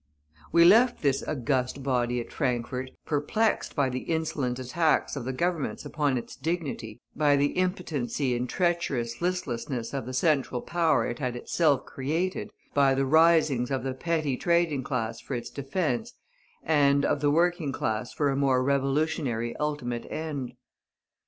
We left this august body at Frankfort, perplexed by the insolent attacks of the Governments upon its dignity, by the impotency and treacherous listlessness of the Central Power it had itself created, by the risings of the petty trading class for its defence, and of the working class for a more revolutionary ultimate end.